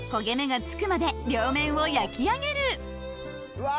うわ！